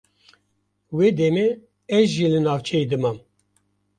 Wê demê ez jî li navçeyê dimam.